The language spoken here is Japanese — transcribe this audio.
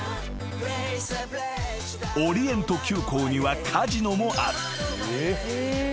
［オリエント急行にはカジノもある］